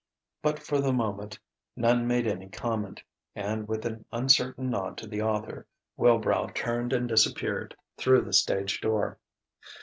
But for the moment none made any comment. And with an uncertain nod to the author, Wilbrow turned and disappeared through the stage door.